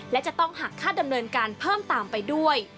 และจะต้องหักค่าดำเนินการเพิ่มตามไปด้วย